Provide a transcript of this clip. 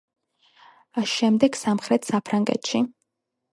შემდეგ სამხრეთ საფრანგეთში.